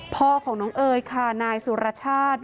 พ่อของน้องเอ๋ยค่ะนายสุรชาติ